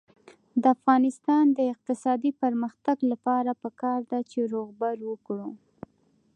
د افغانستان د اقتصادي پرمختګ لپاره پکار ده چې روغبړ وکړو.